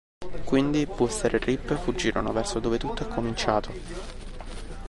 Quindi, Booster e Rip fuggirono verso "dove tutto è cominciato".